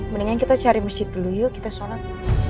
mendingan kita cari masjid dulu yuk kita sholat